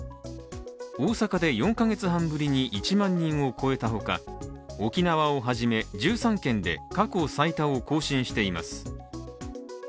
大阪で４カ月半ぶりに１万人を超えたほか沖縄をはじめ１３県で過去最多を更新しています